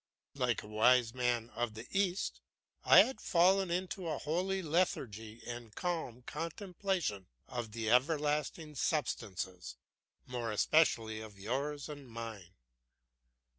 Like a wise man of the East, I had fallen into a holy lethargy and calm contemplation of the everlasting substances, more especially of yours and mine.